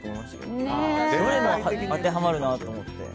どれも当てはまるなと思って。